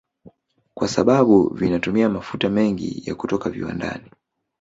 Kwa sababu vinatumia mafuta mengi ya kutoka viwandani